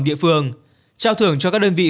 địa phương trao thưởng cho các đơn vị